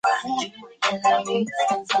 满洲平腹蛛为平腹蛛科平腹蛛属的动物。